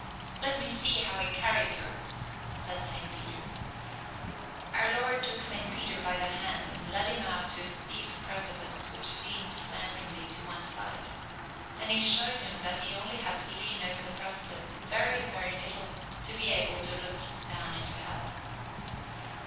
"Let me see how he carries her," said Saint Peter. Our Lord took Saint Peter by the hand and led him out to a steep precipice which leaned slantingly to one side. And He showed him that he only had to lean over the precipice very, very little to be able to look down into hell.